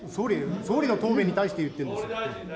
総理の答弁に対して言ってるんだよ。